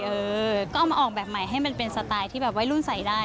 เออก็เอามาออกแบบใหม่ให้มันเป็นสไตล์ที่แบบวัยรุ่นใส่ได้